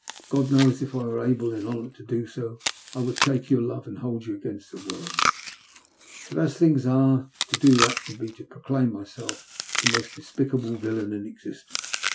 God knows, if I were able in honour to do so, I would take your love, and hold you against the world. But, as things are, to do that would be to proclaim myself the most despicable villain in exist ence.